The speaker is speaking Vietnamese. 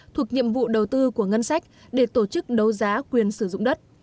thuộc nhiệm vụ đầu tư của ngân sách để tổ chức đấu giá quyền sử dụng đất